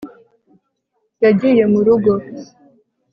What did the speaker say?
yagiye mu rugo